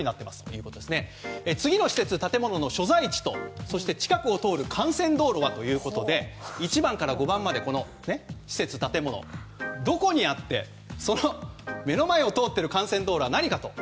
次の施設・建物の所在地と近くを通る幹線道路は？ということで１番から５番までの施設、建物どこにあってその目の前を通っている幹線道路は何か。